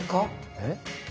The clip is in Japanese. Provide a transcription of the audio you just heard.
えっ？